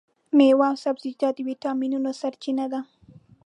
مېوې او سبزیجات د ویټامینونو سرچینه ده.